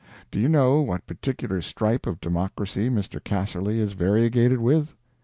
Do you know what particular stripe of Democracy Mr. Casserly is variegated with?